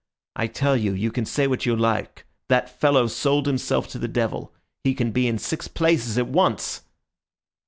I tell you, you can say what you like, that fellow sold himself to the devil; he can be in six places at once."